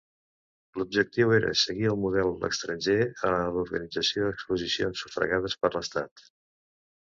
L'objectiu era seguir el model estranger a l'organització d'exposicions sufragades per l'Estat.